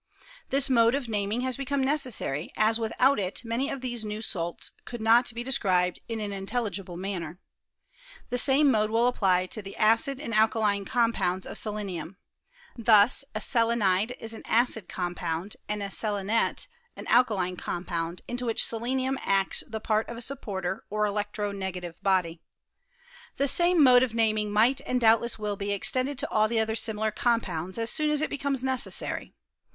This mode of naming has become necessary, as without it many of these new salts could not be described in an in telligible manner. The same mode will apply to the acid and alkaline compounds of silenium. Thus a ielenide is an acid compuimd, and a seleniet an alkaline compound in which selenium acts the part of a supporter or electro negative body. The same OF THE. PRESENT STATE OF CHEMISTRY. 311 mode of naming might and doubtless will be ex tended to all the other similar compounds, as soon as it becomes necessary.